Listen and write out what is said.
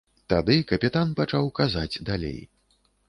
Тады капітан пачаў казаць далей.